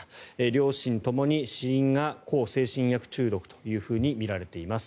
両親ともに死因が向精神薬中毒とみられています。